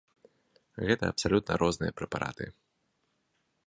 Гэта абсалютна розныя прэпараты.